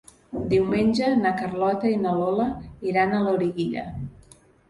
Diumenge na Carlota i na Lola iran a Loriguilla.